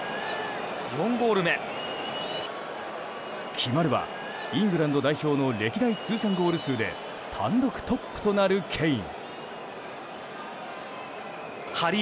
決まれば、イングランド代表の歴代通算ゴール数で単独トップとなるケイン。